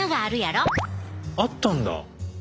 あったんだ！